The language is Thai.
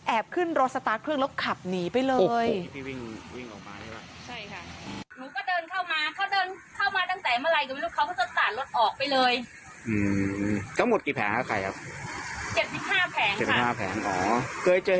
ขึ้นรถสตาร์ทเครื่องแล้วขับหนีไปเลย